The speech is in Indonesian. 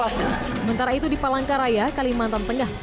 sementara itu di palangkaraya kalimantan tengah